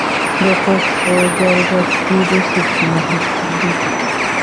د خوست په ګربز کې د څه شي نښې دي؟